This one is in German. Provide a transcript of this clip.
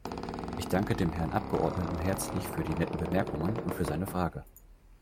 Ich danke dem Herrn Abgeordneten herzlich für die netten Bemerkungen und für seine Frage.